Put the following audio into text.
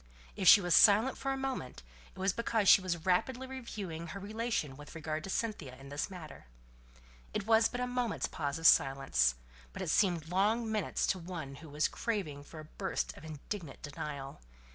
If she was silent for a moment, it was because she was rapidly reviewing her relation with regard to Cynthia in the matter. It was but a moment's pause of silence; but it seemed long minutes to one who was craving for a burst of indignant denial.